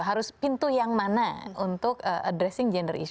harus pintu yang mana untuk menangani problem gender